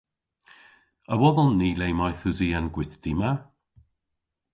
A wodhon ni le mayth usi an gwithti ma?